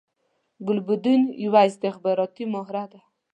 ګلبدین یوه استخباراتی مهره ده